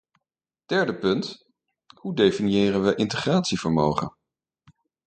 Derde punt: hoe definiëren we integratievermogen?